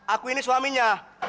aku ini suaminya